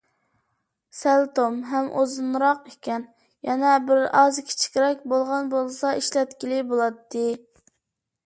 سەل توم ھەم ئۇزۇنراق ئىكەن، يەنە بىرئاز كىچىكرەك بولغان بولسا ئىشلەتكىلى بولاتتى.